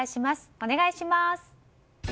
お願いします。